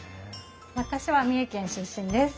私は三重県出身です。